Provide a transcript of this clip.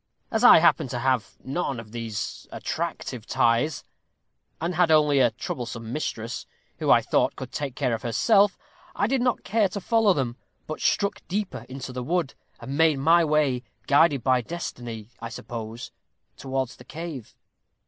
As I happened to have none of these attractive ties, and had only a troublesome mistress, who I thought could take care of herself, I did not care to follow them, but struck deeper into the wood, and made my way, guided by destiny, I suppose, towards the cave."